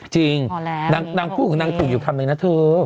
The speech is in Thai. จริงนางพูดของนางถูกอยู่คำนึงนะเธอ